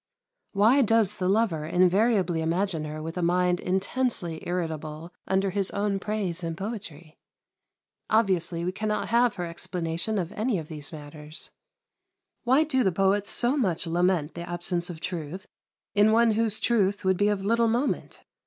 Why does the lover invariably imagine her with a mind intensely irritable under his own praise and poetry? Obviously we cannot have her explanation of any of these matters. Why do the poets so much lament the absence of truth in one whose truth would be of little moment?